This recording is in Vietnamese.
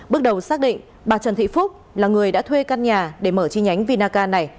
bước đầu xác định bà trần thị phúc là người đã thuê căn nhà để mở chi nhánh vinaca này